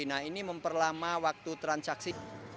nah ini memperlama waktu transaksi